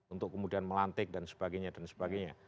untuk kemudian melantik dan sebagainya dan sebagainya